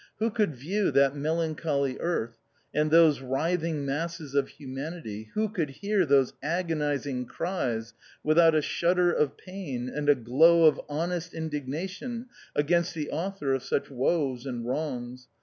Who could view that melancholy Earth, and those writhing masses of humanity, who could hear those agonising cries without a shudder of pain and a glow of honest indignation against the Author of such woes and wrongs